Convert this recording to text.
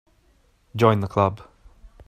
Join the Club.